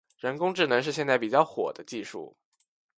人工智能是现在比较火的技术。